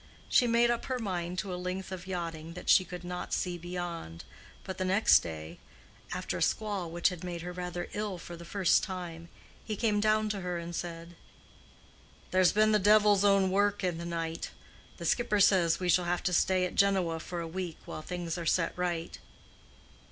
She made up her mind to a length of yachting that she could not see beyond; but the next day, after a squall which had made her rather ill for the first time, he came down to her and said, "There's been the devil's own work in the night. The skipper says we shall have to stay at Genoa for a week while things are set right."